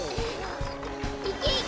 いけいけ！